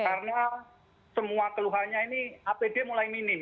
karena semua keluhannya ini apd mulai minim